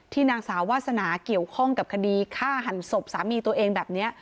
นางสาววาสนาเกี่ยวข้องกับคดีฆ่าหันศพสามีตัวเองแบบนี้